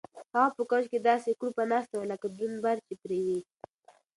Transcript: هغه په کوچ کې داسې کړوپه ناسته وه لکه دروند بار چې پرې وي.